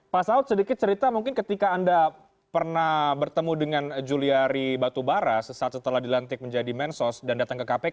pak saud sedikit cerita mungkin ketika anda pernah bertemu dengan juliari batubara sesaat setelah dilantik menjadi mensos dan datang ke kpk